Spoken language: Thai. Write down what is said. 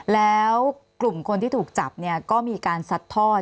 แล้วกลุ่มคนที่ถูกจับเนี่ยก็มีการซัดทอด